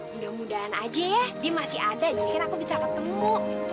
mudah mudahan aja ya dia masih ada jadinya aku bisa ketemu